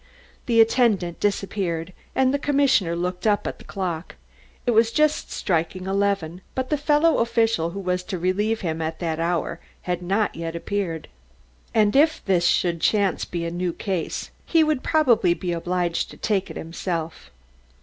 The attendant disappeared, and the commissioner looked up at the clock. It was just striking eleven, but the fellow official who was to relieve him at that hour had not yet appeared. And if this should chance to be a new case, he would probably be obliged to take it himself.